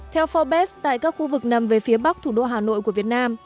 theo forbes tại các khu vực nằm về phía bắc thủ đô hà nội của việt nam